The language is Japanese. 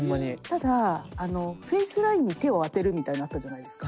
ただ「フェイスラインに手をあてる」みたいのあったじゃないですか。